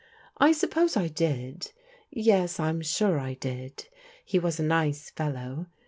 " I suppose I did — ^yes, I am sure I did ; he was a nice f^low.